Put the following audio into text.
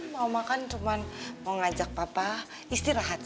mau makan cuma mau ngajak papa istirahat